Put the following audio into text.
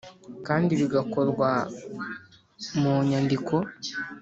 kandi bigakorwa mu nyandiko